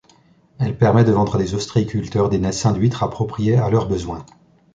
Elle permet de vendre a des ostréiculteurs des naissains d'huîtres appropriés à leurs besoins.